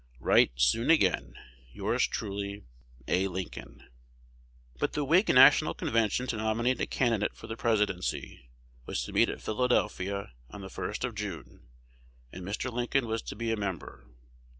Write soon again. Yours truly, A. Lincoln. But the Whig National Convention to nominate a candidate for the Presidency was to meet at Philadelphia on the 1st of June, and Mr. Lincoln was to be a member.